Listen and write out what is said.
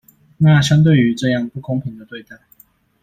那相對於這樣不公正的對待